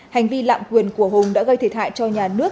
hành vi lạm quyền của hùng đã gây thể thại cho nhà nước